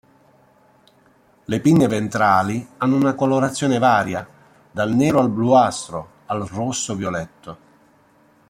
Le pinne ventrali hanno una colorazione varia: dal nero al bluastro, al rosso violetto.